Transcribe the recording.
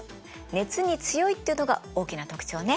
熱に強いっていうのが大きな特徴ね。